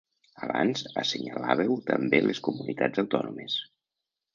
Abans assenyalàveu també les comunitats autònomes.